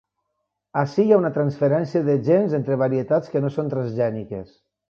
Ací hi ha una transferència de gens entre varietats que no són transgèniques.